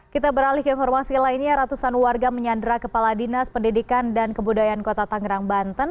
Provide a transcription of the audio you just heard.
kita beralih ke informasi lainnya ratusan warga menyandra kepala dinas pendidikan dan kebudayaan kota tangerang banten